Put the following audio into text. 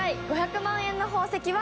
１つ５００万円の宝石は。